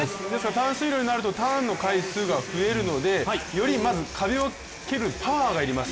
短水路になるとターンの回数が増えるので、より壁を蹴るパワーがあります。